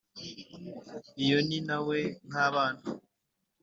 iyo ni “ na we” nk’abana